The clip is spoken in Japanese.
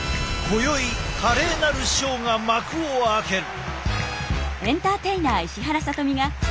今宵華麗なるショーが幕を開ける。